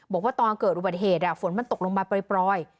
บอกว่าตอนเกิดอุบัติเหตุอ่ะฝนมันตกลงมาเปรียบปรอย